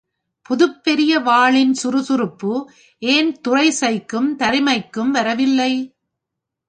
புதுப் பெரிய வாளின் சுறுசுறுப்பு ஏன் துறை சைக்கும், தருமைக்கும் வரவில்லை?